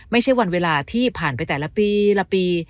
ไม่ใช่วันเวลาที่ผ่านไปแต่ละปีละปี